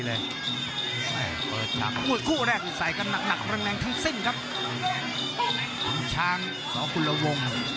แดงใหญ่กว่านิดหนึ่ง